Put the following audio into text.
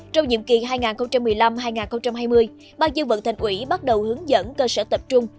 trong nhiệm kỳ hai nghìn một mươi năm hai nghìn hai mươi bà dương vận thành uỷ bắt đầu hướng dẫn cơ sở tập trung